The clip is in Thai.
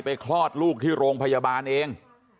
คลอดลูกที่โรงพยาบาลเอง